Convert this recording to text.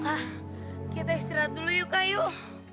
ah kita istirahat dulu yuk kak yuk